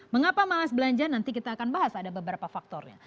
mengapa malas belanja nanti kita akan bahas ada beberapa faktornya